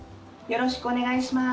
よろしくお願いします。